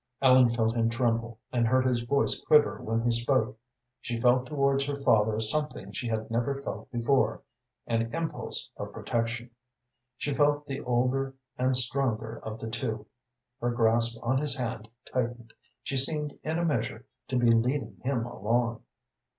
Ellen felt him tremble, and heard his voice quiver when he spoke. She felt towards her father something she had never felt before an impulse of protection. She felt the older and stronger of the two. Her grasp on his hand tightened, she seemed in a measure to be leading him along.